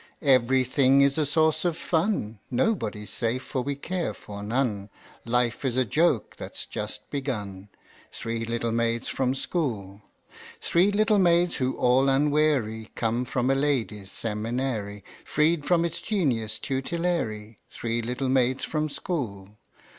Everything is a source of fun ; Nobody's safe for we care for none; Life is a joke that's just begun; Three little maids from school! Three little maids who all unwary Come from a ladies' seminary, Freed from its genius tutelary! Three little maids from school!